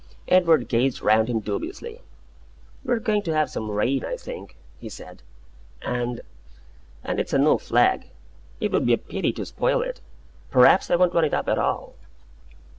Edward gazed around him dubiously. "We're going to have some rain, I think," he said; "and and it's a new flag. It would be a pity to spoil it. P'raps I won't run it up at all."